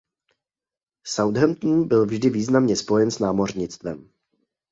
Southampton byl vždy významně spojen s námořnictvem.